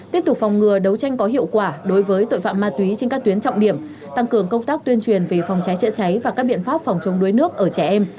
tiếp tục phòng ngừa đấu tranh có hiệu quả đối với tội phạm ma túy trên các tuyến trọng điểm tăng cường công tác tuyên truyền về phòng cháy chữa cháy và các biện pháp phòng chống đuối nước ở trẻ em